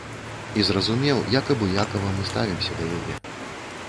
І зразумеў, як абыякава мы ставімся да яе.